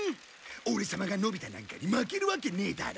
オレ様がのび太なんかに負けるわけねえだろ。